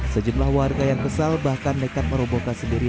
sejumlah warga yang kesal bahkan nekat merobohkan sendiri